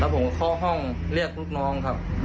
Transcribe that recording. ผมก็เข้าห้องเรียกลูกน้องครับ